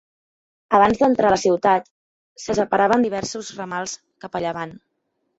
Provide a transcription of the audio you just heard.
Abans d'entrar a la ciutat se separava en diversos ramals cap a llevant.